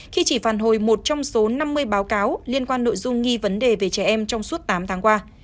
khi chỉ phản hồi một trong số năm mươi báo cáo liên quan nội dung nghi vấn đề về trẻ em trong suốt tám tháng qua